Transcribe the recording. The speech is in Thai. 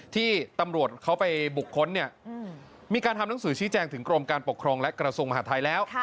ที่ตำรวจเขาไปบุคคลเนี่ยมีการทำหนังสือชี้แจงถึงกรมการปกครองและกระทรวงมหาทัยแล้ว